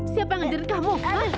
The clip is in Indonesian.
siapa yang mengajarkanmu